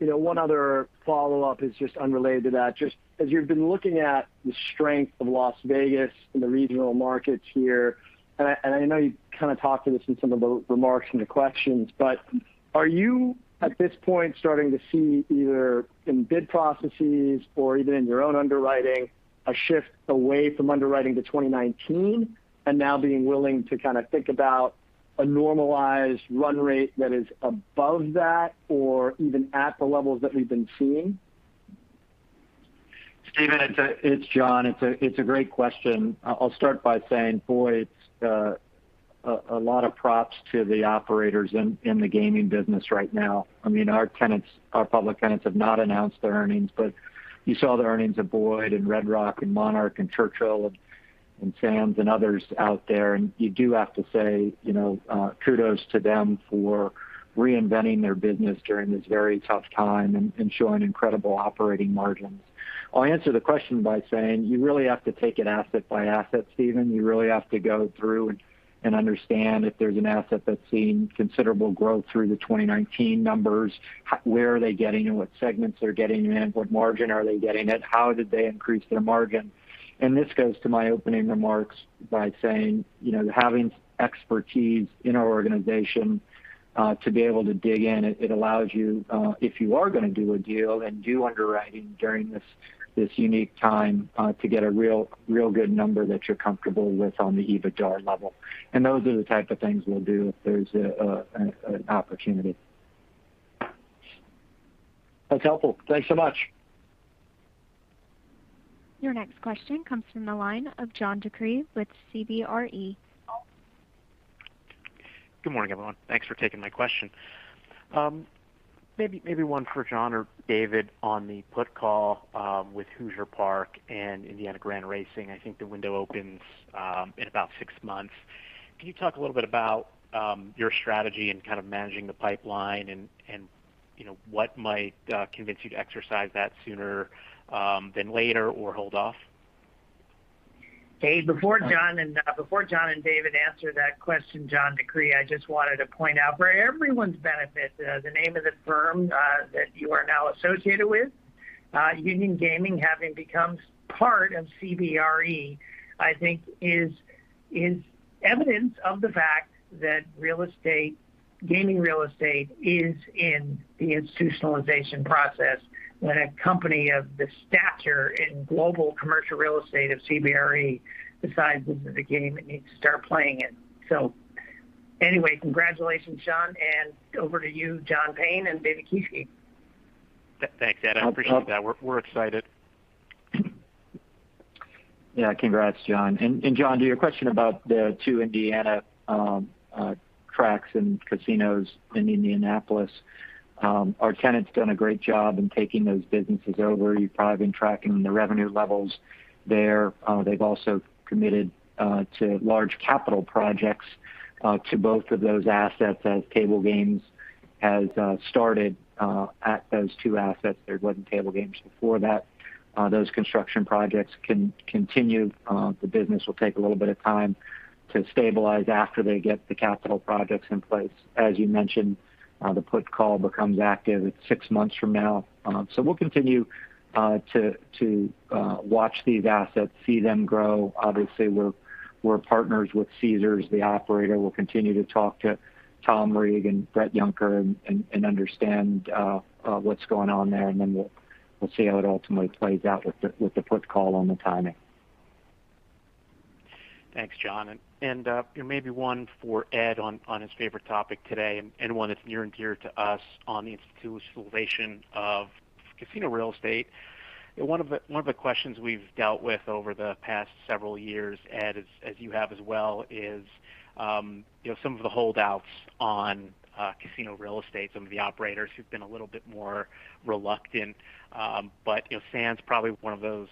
one other follow-up is just unrelated to that. As you've been looking at the strength of Las Vegas and the regional markets here, and I know you kind of talked to this in some of the remarks and the questions, but are you at this point starting to see either in bid processes or even in your own underwriting, a shift away from underwriting to 2019 and now being willing to kind of think about a normalized run rate that is above that or even at the levels that we've been seeing? Stephen, it's John. It's a great question. I'll start by saying, boy, it's a lot of props to the operators in the gaming business right now. Our public tenants have not announced their earnings, but you saw the earnings of Boyd and Red Rock and Monarch and Churchill and Sands and others out there. You do have to say kudos to them for reinventing their business during this very tough time and showing incredible operating margins. I'll answer the question by saying, you really have to take it asset by asset, Stephen. You really have to go through and understand if there's an asset that's seen considerable growth through the 2019 numbers, where are they getting it, what segments they're getting it in, what margin are they getting it, how did they increase their margin? This goes to my opening remarks by saying, having expertise in our organization to be able to dig in, it allows you, if you are going to do a deal and do underwriting during this unique time, to get a real good number that you're comfortable with on the EBITDA level. Those are the type of things we'll do if there's an opportunity. That's helpful. Thanks so much. Your next question comes from the line of John DeCree with CBRE. Good morning, everyone. Thanks for taking my question. Maybe one for John or David on the put call with Hoosier Park and Indiana Grand Racing. I think the window opens in about six months. Can you talk a little bit about your strategy in kind of managing the pipeline and what might convince you to exercise that sooner than later or hold off? David, before John and David answer that question, John DeCree, I just wanted to point out for everyone's benefit, the name of the firm that you are now associated with, Union Gaming having become part of CBRE, I think is evidence of the fact that gaming real estate is in the institutionalization process. When a company of the stature in global commercial real estate of CBRE decides this is a game, it needs to start playing it. Anyway, congratulations, John, and over to you, John Payne and David Kieske. Thanks, Ed. I appreciate that. We're excited. Yeah, congrats, John. John, to your question about the two Indiana tracks and casinos in Indianapolis, our tenant's done a great job in taking those businesses over. You've probably been tracking the revenue levels there. They've also committed to large capital projects to both of those assets as table games has started at those two assets. There wasn't table games before that. Those construction projects can continue. The business will take a little bit of time to stabilize after they get the capital projects in place. As you mentioned, the put call becomes active. It's six months from now. We'll continue to watch these assets, see them grow. Obviously, we're partners with Caesars, the operator. We'll continue to talk to Tom Reeg and Bret Yunker and understand what's going on there, and then we'll see how it ultimately plays out with the put call on the timing. Thanks, John. Maybe one for Ed on his favorite topic today and one that's near and dear to us on the institutionalization of casino real estate. One of the questions we've dealt with over the past several years, Ed, as you have as well, is some of the holdouts on casino real estate, some of the operators who've been a little bit more reluctant. Las Vegas Sands, probably one of those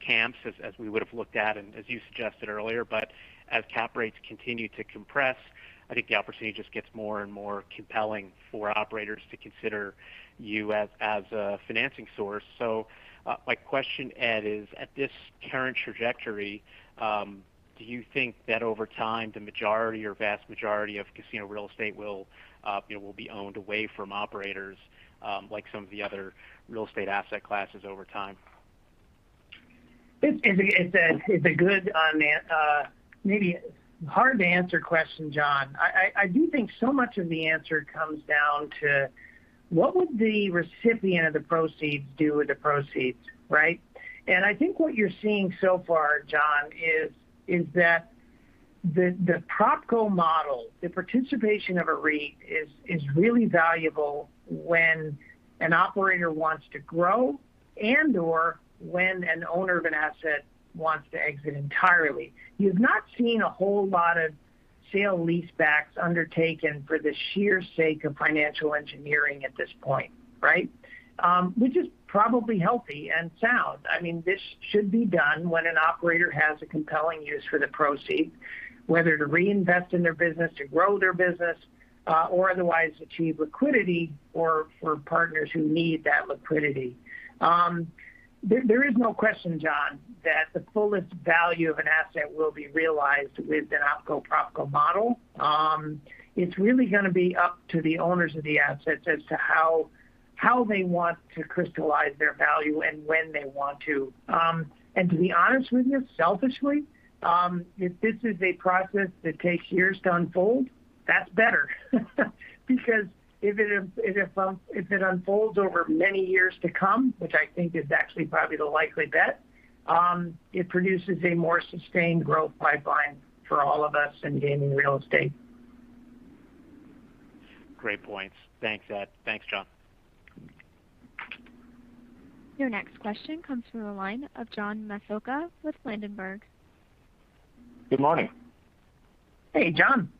camps as we would have looked at and as you suggested earlier. As cap rates continue to compress, I think the opportunity just gets more and more compelling for operators to consider you as a financing source. My question, Ed, is at this current trajectory, do you think that over time, the majority or vast majority of casino real estate will be owned away from operators like some of the other real estate asset classes over time? It's a good, maybe hard to answer question, John. I do think so much of the answer comes down to what would the recipient of the proceeds do with the proceeds, right? I think what you're seeing so far, John, is that the propco model, the participation of a REIT is really valuable when an operator wants to grow and/or when an owner of an asset wants to exit entirely. You've not seen a whole lot of sale-leaseback undertaken for the sheer sake of financial engineering at this point, right? Which is probably healthy and sound. This should be done when an operator has a compelling use for the proceeds, whether to reinvest in their business, to grow their business, or otherwise achieve liquidity or for partners who need that liquidity. There is no question, John, that the fullest value of an asset will be realized with an opco-propco model. It's really going to be up to the owners of the assets as to how they want to crystallize their value and when they want to. To be honest with you, selfishly, if this is a process that takes years to unfold, that's better because if it unfolds over many years to come, which I think is actually probably the likely bet, it produces a more sustained growth pipeline for all of us in gaming real estate. Great points. Thanks, Ed. Thanks, John. Your next question comes from the line of John Massocca with Ladenburg Thalmann. Good morning. Hey, John.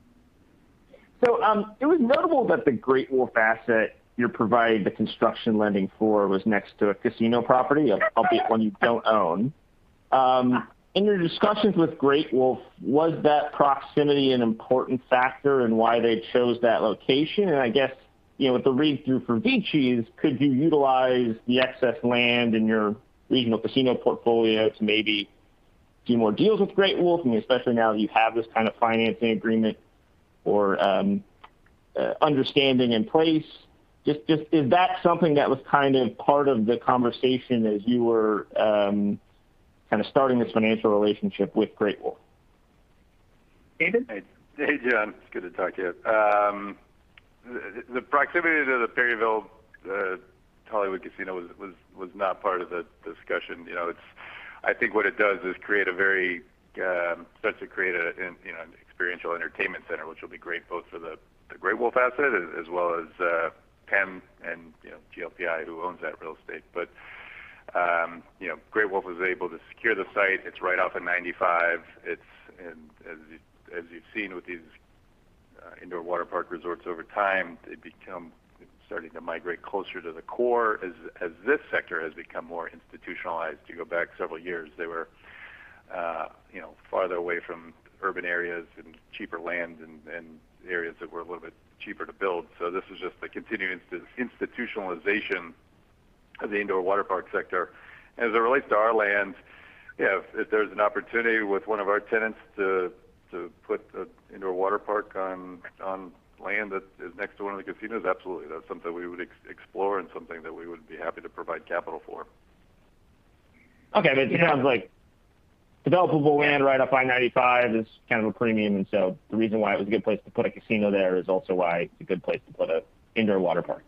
It was notable that the Great Wolf asset you're providing the construction lending for was next to a casino property, albeit one you don't own. In your discussions with Great Wolf, was that proximity an important factor in why they chose that location? I guess, with the read through for VICI, could you utilize the excess land in your regional casino portfolio to maybe do more deals with Great Wolf? I mean, especially now that you have this kind of financing agreement or understanding in place. Just is that something that was part of the conversation as you were starting this financial relationship with Great Wolf? David? Hey, John. It's good to talk to you. The proximity to the Hollywood Casino Perryville was not part of the discussion. I think what it does is starts to create an experiential entertainment center, which will be great both for the Great Wolf asset as well as PENN and GLPI, who owns that real estate. Great Wolf was able to secure the site. It's right off of 95. As you've seen with these indoor water park resorts over time, they become starting to migrate closer to the core as this sector has become more institutionalized. You go back several years, they were farther away from urban areas and cheaper land and areas that were a little bit cheaper to build. This is just the continuing institutionalization of the indoor water park sector. As it relates to our land, if there's an opportunity with one of our tenants to put an indoor waterpark on land that is next to one of the casinos, absolutely. That's something we would explore and something that we would be happy to provide capital for. Okay. It sounds like developable land right off I-95 is kind of a premium. The reason why it was a good place to put a casino there is also why it's a good place to put an indoor waterpark.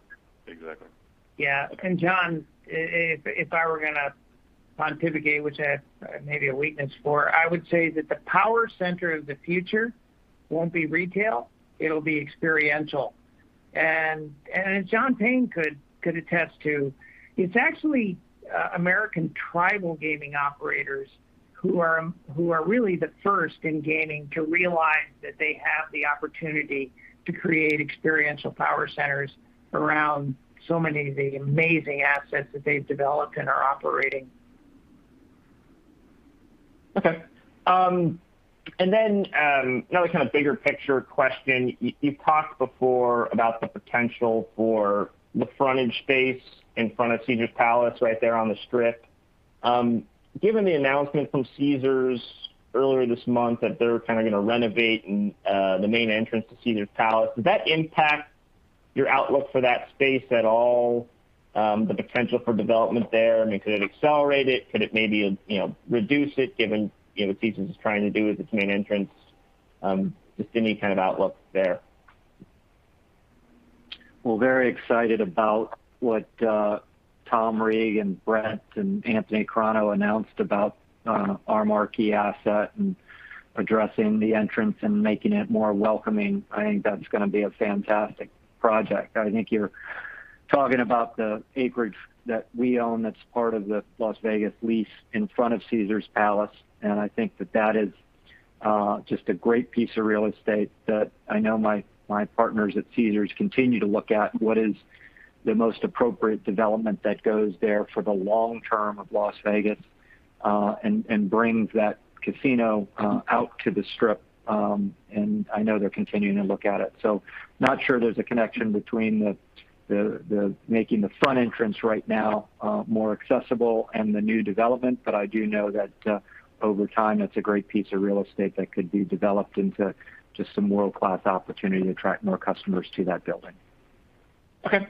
Exactly. Yeah. John, if I were going to pontificate, which I have maybe a weakness for, I would say that the power center of the future won't be retail, it'll be experiential. As John Payne could attest to, it's actually American tribal gaming operators who are really the first in gaming to realize that they have the opportunity to create experiential power centers around so many of the amazing assets that they've developed and are operating. Okay. Another kind of bigger picture question. You've talked before about the potential for the frontage space in front of Caesars Palace right there on the Strip. Given the announcement from Caesars earlier this month that they're kind of going to renovate the main entrance to Caesars Palace, does that impact your outlook for that space at all? The potential for development there? I mean, could it accelerate it? Could it maybe reduce it given what Caesars is trying to do with its main entrance? Just any kind of outlook there. We're very excited about what Tom Reeg and Bret and Anthony Carano announced about our marquee asset and addressing the entrance and making it more welcoming. I think that's going to be a fantastic project. I think you're talking about the acreage that we own that's part of the Las Vegas lease in front of Caesars Palace, and I think that that is just a great piece of real estate that I know my partners at Caesars continue to look at what is the most appropriate development that goes there for the long term of Las Vegas, and brings that casino out to the Strip. I know they're continuing to look at it. Not sure there's a connection between making the front entrance right now more accessible and the new development. I do know that over time, that's a great piece of real estate that could be developed into just some world-class opportunity to attract more customers to that building. Okay.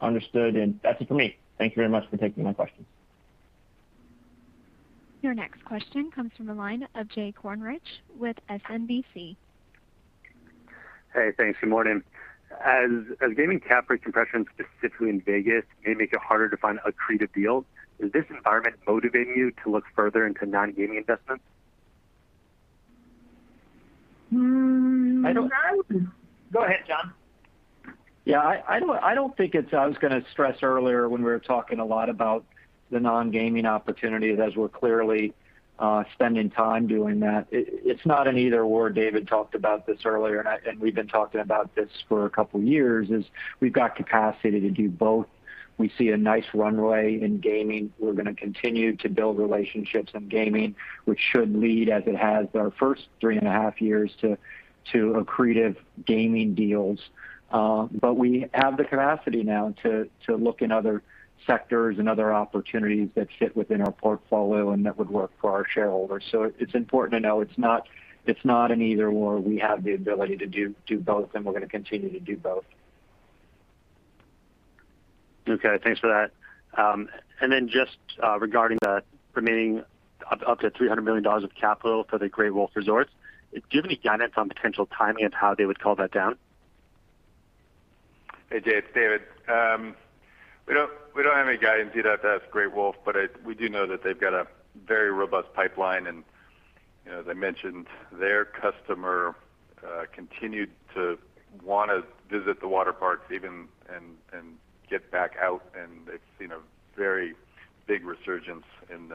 Understood, that's it for me. Thank you very much for taking my questions. Your next question comes from the line of Jay Kornreich with SMBC. Hey, thanks. Good morning. As gaming capital compression specifically in Vegas may make it harder to find accretive deals, is this environment motivating you to look further into non-gaming investments? I don't. Go ahead, John. Yeah, I don't think I was going to stress earlier when we were talking a lot about the non-gaming opportunities as we're clearly spending time doing that. It's not an either/or, David talked about this earlier, and we've been talking about this for a couple of years, is we've got capacity to do both. We see a nice runway in gaming. We're going to continue to build relationships in gaming, which should lead, as it has our first three and a half years, to accretive gaming deals. We have the capacity now to look in other sectors and other opportunities that fit within our portfolio and that would work for our shareholders. It's important to know it's not an either/or. We have the ability to do both, and we're going to continue to do both. Okay. Thanks for that. Regarding the remaining up to $300 million of capital for the Great Wolf Resorts, do you have any guidance on potential timing of how they would call that down? Hey, Jay, it's David. We don't have any guidance. You'd have to ask Great Wolf, we do know that they've got a very robust pipeline. As I mentioned, their customer continued to want to visit the waterparks even and get back out, and they've seen a very big resurgence in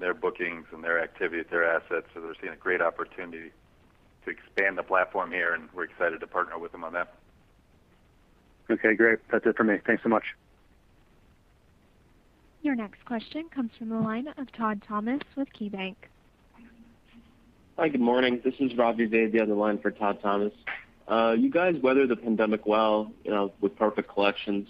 their bookings and their activity at their assets. They're seeing a great opportunity to expand the platform here, and we're excited to partner with them on that. Okay, great. That's it for me. Thanks so much. Your next question comes from the line of Todd Thomas with KeyBanc. Hi. Good morning. This is Ravi Vaidya, on line for Todd Thomas. You guys weathered the pandemic well with perfect collections.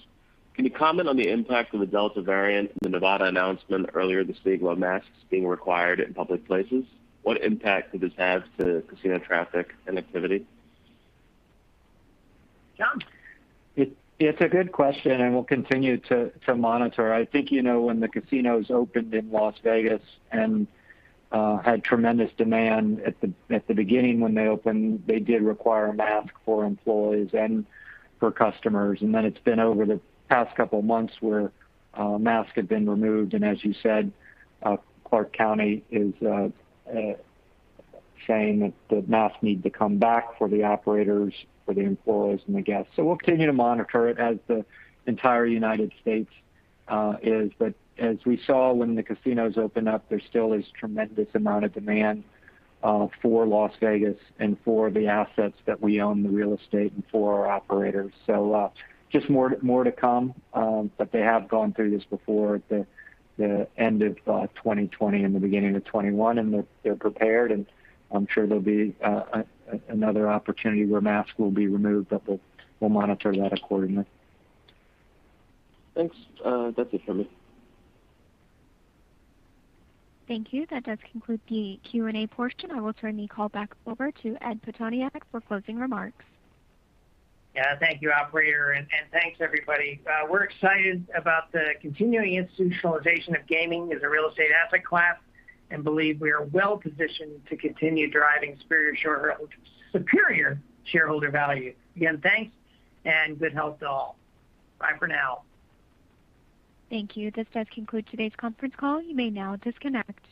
Can you comment on the impact of the Delta variant and the Nevada announcement earlier this week about masks being required in public places? What impact could this have to casino traffic and activity? John? It's a good question. We'll continue to monitor. I think you know when the casinos opened in Las Vegas and had tremendous demand at the beginning when they opened, they did require a mask for employees and for customers. Then it's been over the past couple of months where masks have been removed, and as you said, Clark County is saying that the masks need to come back for the operators, for the employees, and the guests. We'll continue to monitor it as the entire United States is. As we saw when the casinos opened up, there still is tremendous amount of demand for Las Vegas and for the assets that we own, the real estate, and for our operators. Just more to come. They have gone through this before at the end of 2020 and the beginning of 2021, and they're prepared, and I'm sure there'll be another opportunity where masks will be removed. We'll monitor that accordingly. Thanks. That's it for me. Thank you. That does conclude the Q&A portion. I will turn the call back over to Ed Pitoniak for closing remarks. Thank you, operator, and thanks, everybody. We're excited about the continuing institutionalization of gaming as a real estate asset class and believe we are well positioned to continue driving superior shareholder value. Again, thanks and good health to all. Bye for now. Thank you. This does conclude today's conference call. You may now disconnect.